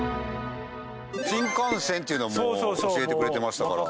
新幹線っていうのはもう教えてくれてましたから。